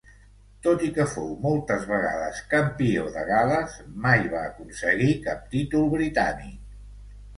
Tot i que fou moltes vegades campió de Gal·les, mai va aconseguir cap títol britànic.